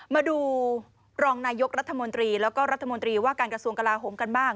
มาดูรองนายกรัฐมนตรีแล้วก็รัฐมนตรีว่าการกระทรวงกลาโหมกันบ้าง